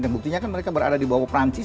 dan buktinya kan mereka berada di bawah prancis